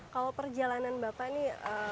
kalau perjalanan bapak nih